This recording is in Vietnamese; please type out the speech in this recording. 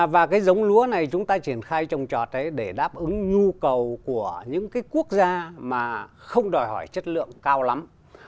và cái giống lúa này chúng ta triển khai trồng trọt để đáp ứng nhu cầu của những cái quốc gia mà không đòi hỏi chất lượng cao lắm